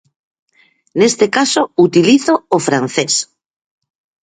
Neste caso utilizo o francés.